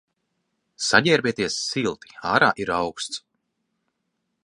Saģērbieties silti, ārā ir auksts.